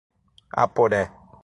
Aporé